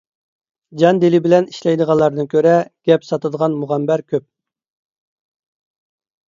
جان - دىلى بىلەن ئىشلەيدىغانلاردىن كۆرە، گەپ ساتىدىغان مۇغەمبەر كۆپ.